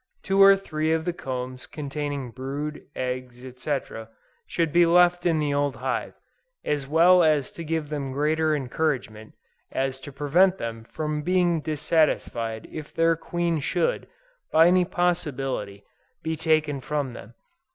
Two or three of the combs containing brood, eggs, &c., should be left in the old hive, as well to give them greater encouragement, as to prevent them from being dissatisfied if their queen should, by any possibility, be taken from them.